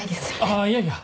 あぁいやいや。